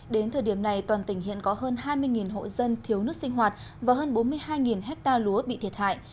đến thời điểm này toàn tỉnh hiện có hơn hai mươi hộ dân thiếu nước sinh hoạt và hơn bốn mươi hai ha lúa bị thiệt hại